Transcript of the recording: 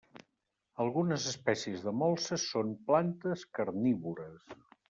Algunes espècies de molses són plantes carnívores.